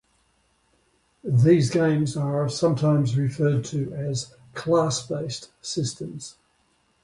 These games are sometimes referred to as 'class-based' systems.